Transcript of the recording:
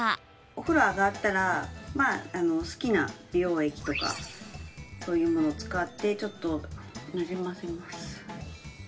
お風呂上がったら好きな美容液とかそういうものを使ってちょっとなじませます。